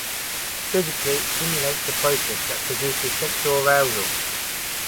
Physically, it stimulates the process that produces sexual arousal.